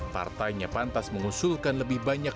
partainya pantas mengusulkan lebih banyak